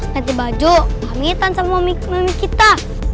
nanti bajo pamitan sama mami kita